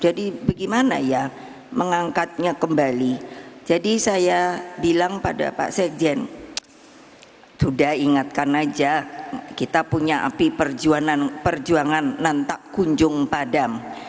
jadi bagaimana ya mengangkatnya kembali jadi saya bilang pada pak sekjen sudah ingatkan saja kita punya api perjuangan nantak kunjung padam